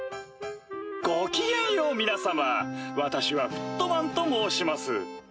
ごきげんよう皆様私はフットマンと申します。